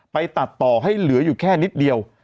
ไปตัดต่อให้เหลืออยู่แค่นิดเดียว